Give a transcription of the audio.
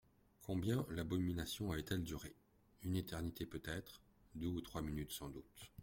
Combien l'abomination avait-elle duré ? une éternité peut-être, deux ou trois minutes sans doute.